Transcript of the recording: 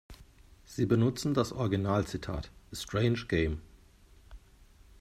Sie benutzen das Original-Zitat „A strange game.